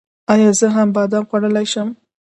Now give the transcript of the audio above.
ایا زه بادام خوړلی شم؟